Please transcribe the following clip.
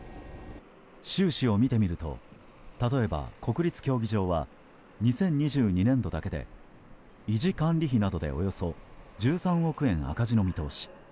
収支を見てみると例えば、国立競技場は２０２２年度だけで維持管理費などでおよそ１３億円赤字の見通し。